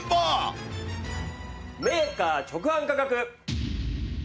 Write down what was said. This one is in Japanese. メーカー直販価格。